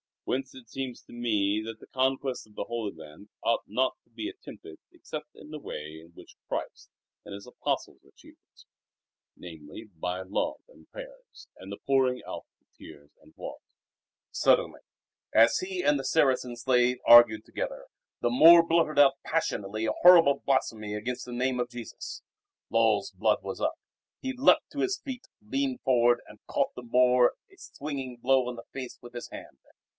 Whence it seems to me that the conquest of the Holy Land ought not to be attempted except in the way in which Christ and His Apostles achieved it, namely, by love and prayers, and the pouring out of tears and blood." Suddenly, as he and the Saracen slave argued together, the Moor blurted out passionately a horrible blasphemy against the name of Jesus. Lull's blood was up. He leapt to his feet, leaned forward, and caught the Moor a swinging blow on the face with his hand.